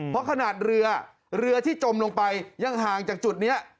เพราะขนาดเรือเรือที่จมลงไปยังห่างจากจุดนี้